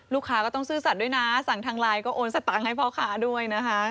ลูกค้าก็ต้องซื่อสัตว์ด้วยนะสั่งทางไลน์ก็โอนสตางค์ให้พ่อค้าด้วยนะคะ